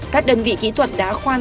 các đơn vị kỹ thuật đã khoan